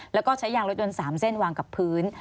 แล้วก็ใช้ยางรถยนต์๓เส้นวางกับพื้น